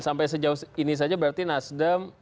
sampai sejauh ini saja berarti nasdem